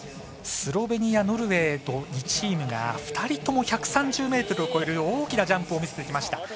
スロベニア、ノルウェーと２チームが２人とも１３０ｍを超える大きなジャンプを見せてきました。